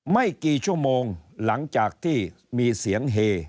ไม่กี่ชั่วโมงหลังจากที่มีเสียงเฮ